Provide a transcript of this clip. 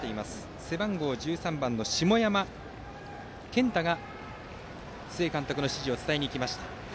背番号１３番の下山健太が須江監督の指示を伝えに行きました。